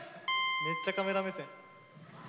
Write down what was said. めっちゃカメラ目線。